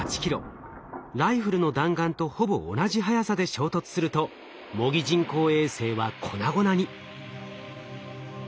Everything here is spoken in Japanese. ライフルの弾丸とほぼ同じ速さで衝突すると模擬人工衛星は粉々に。